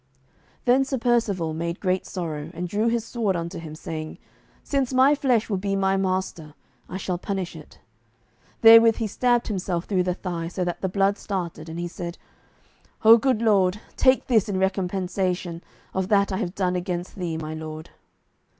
Then Sir Percivale made great sorrow, and drew his sword unto him saying, "Since my flesh will be my master, I shall punish it." Therewith he stabbed himself through the thigh so that the blood started, and he said, "O good Lord, take this in recompensation of that I have done against Thee, my Lord."